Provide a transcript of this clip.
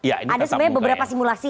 ada sebenarnya beberapa simulasi